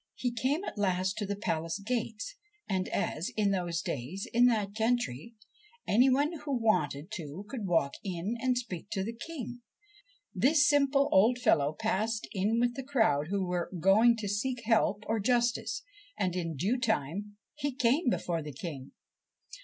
He came at last to the palace gates, and as, in those days, in that country, any one who wanted to could walk in and speak to the King, this simple old fellow passed in with the crowd who were going to seek help or justice, and in due time he came before the King.